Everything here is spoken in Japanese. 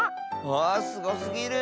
あすごすぎる！